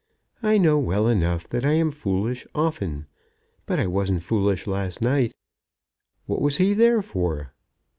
I know well enough that I am foolish often. But I wasn't foolish last night. What was he there for?"